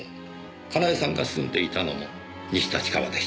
佳苗さんが住んでいたのも西立川でした。